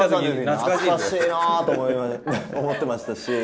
懐かしいなあと思ってましたし。